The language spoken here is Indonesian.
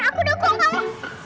aku dukung kamu